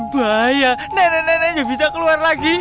bahaya nenek nenek bisa keluar lagi